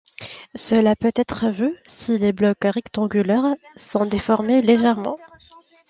Cela peut être vu si les blocs rectangulaires sont déformés légèrement.